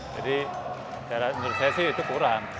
jadi menurut saya sih itu kurang